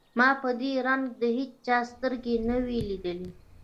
ما په دې رنگ د هېچا سترګې نه وې ليدلې.